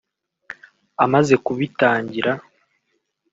Amaze kubitangira